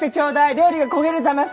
料理が焦げるざます。